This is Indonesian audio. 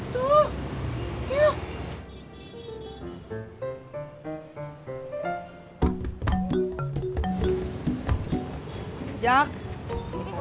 di situ kayaknya